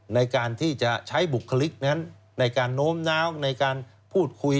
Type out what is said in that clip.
ในการที่จะใช้บุคลิกนั้นในการโน้มน้าวในการพูดคุย